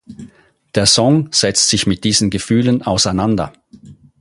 Der Song setzt sich mit diesen Gefühlen auseinander.